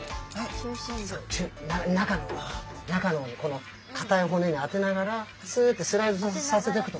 中の方中のこのかたい骨に当てながらすってスライドさせてくと。